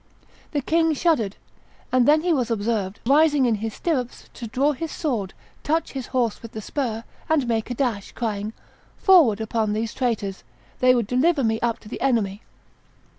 "The king shuddered; and then he was observed, rising in his stirrups, to draw his sword, touch his horse with the spur, and make a dash, crying, 'Forward upon these traitors! They would deliver me up to the enemy!